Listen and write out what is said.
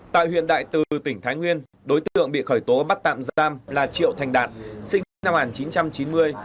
tại huyện đại từ tỉnh thái nguyên đối tượng bị khởi tố bắt tạm giam là triệu thành đạt sinh năm một nghìn chín trăm chín mươi